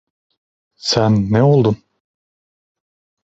Sen ne oldun?